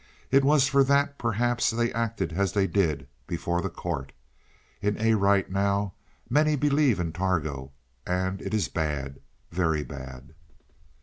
It was for that perhaps they acted as they did before the court. In Arite now, many believe in Targo. And it is bad, very bad."